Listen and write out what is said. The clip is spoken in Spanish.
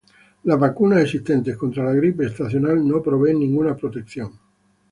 Las vacunas existentes contra la gripe estacional no proveen ninguna protección.